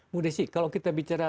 muda sih kalau kita bicara